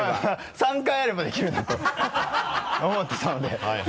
３回あればできるなと思ってたので